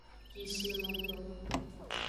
Kishilonto.